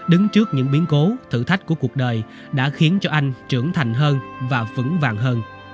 đứng trước những biến cố thử thách của cuộc đời đã khiến cho anh trưởng thành hơn và vững vàng hơn